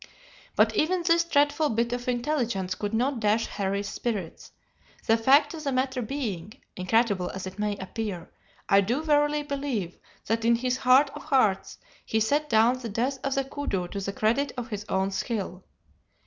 But even this dreadful bit of intelligence could not dash Harry's spirits; the fact of the matter being, incredible as it may appear, I do verily believe that in his heart of hearts he set down the death of the koodoo to the credit of his own skill.